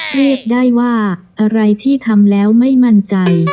เรียกได้ว่าอะไรที่ทำแล้วไม่มั่นใจ